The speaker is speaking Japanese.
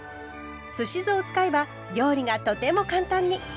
すし酢を使えば料理がとても簡単に！